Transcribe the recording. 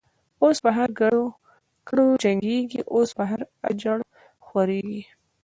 اوس په هر کډو جگیږی، اوس په هر”اجړ” خوریږی